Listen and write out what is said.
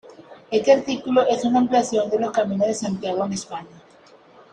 Este artículo es una ampliación de los Caminos de Santiago en España.